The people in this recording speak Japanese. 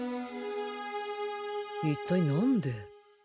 一体何で？